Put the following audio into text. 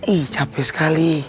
ih capek sekali